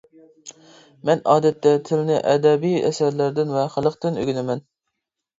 مەن ئادەتتە تىلنى ئەدەبىي ئەسەرلەردىن ۋە خەلقتىن ئۆگىنىمەن.